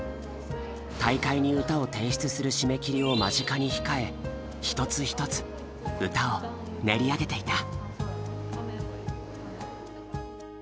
大会に歌を提出する締め切りを間近に控え一つ一つ歌を練り上げていた。